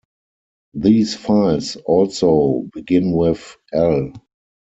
These files also begin with "L".